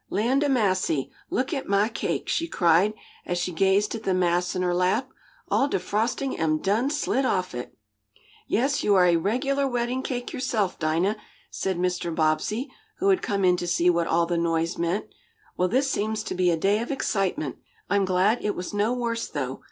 "Land ob massy! Look at mah cake!" she cried, as she gazed at the mass in her lap. "All de frostin' am done slid off it!" "Yes, you're a regular wedding cake yourself, Dinah," said Mr. Bobbsey, who had come in to see what all the noise meant. "Well, this seems to be a day of excitement. I'm glad it was no worse, though.